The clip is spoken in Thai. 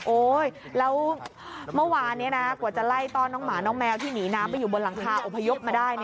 แล้วเมื่อวานนี้นะกว่าจะไล่ต้อนน้องหมาน้องแมวที่หนีน้ำไปอยู่บนหลังคาอพยพมาได้